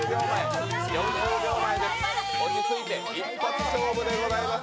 ４０秒前、落ち着いて、一発勝負でございます。